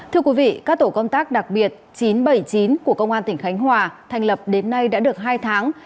thưa quý vị các tổ công tác đặc biệt chín trăm bảy mươi chín của công an tỉnh khánh hòa thành lập đến nay đã được hai tháng